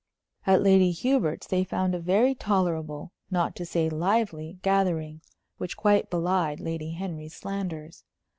At Lady Hubert's they found a very tolerable, not to say lively, gathering, which quite belied Lady Henry's slanders.